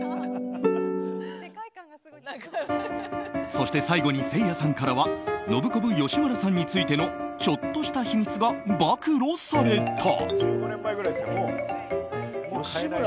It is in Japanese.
そして最後に、せいやさんからはノブコブ吉村さんについてのちょっとした秘密が暴露された。